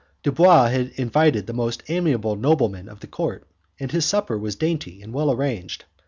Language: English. Dubois had invited the most amiable noblemen of the court, and his supper was dainty and well arranged.